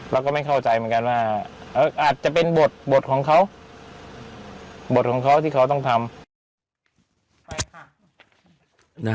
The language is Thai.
เราก็ไม่เข้าใจเหมือนกันว่าอาจจะเป็นบทของเขาบทของเขาที่เขาต้องทำ